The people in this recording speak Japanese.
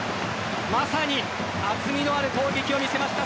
まさに厚みのある攻撃を見せました。